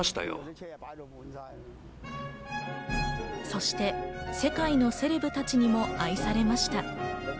そして世界のセレブたちにも愛されました。